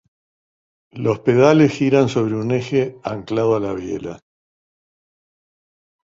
Los pedales giran sobre un eje anclado a la biela.